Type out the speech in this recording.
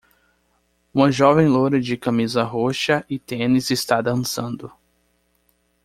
Uma jovem loira de camisa roxa e tênis está dançando.